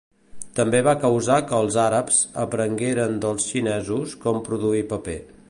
També va causar que els àrabs aprengueren dels xinesos com produir paper.